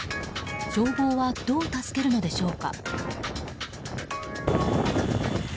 消防はどう助けるのでしょうか。